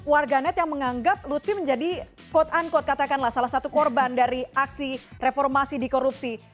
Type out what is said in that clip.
warganet yang menganggap lutfi menjadi quote unquote katakanlah salah satu korban dari aksi reformasi di korupsi